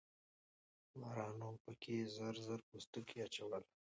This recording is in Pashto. مارانو پکې ژر ژر پوستکي اچول.